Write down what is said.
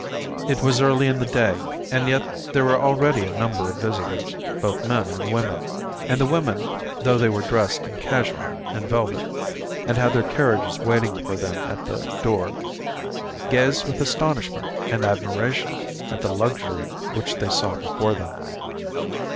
It was early in the day, and yet there were already a number of visitors, both men and women, and the women, though they were dressed in cashmere and velvet, and had their carriages waiting for them at the door, gazed with astonishment and admiration at the luxury which they saw before them.